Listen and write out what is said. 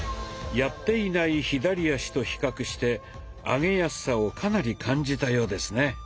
やっていない左足と比較して上げやすさをかなり感じたようですね。